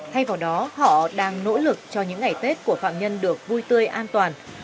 thay vào đó họ đang nỗ lực cho những ngày tết của phạm nhân được vui tươi an toàn